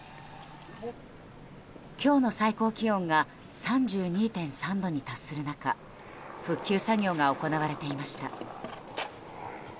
今日の最高気温が３２．３度に達する中復旧作業が行われていました。